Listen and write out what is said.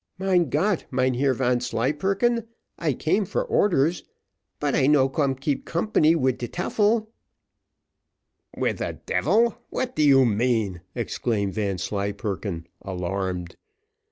"Mein Gott, Mynheer Vanslyperken, I came for orders but I no come keep company wid de tyfel." "With the devil! what do you mean?" exclaimed Vanslyperken, alarmed.